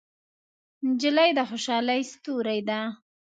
نجلۍ د خوشحالۍ ستورې ده.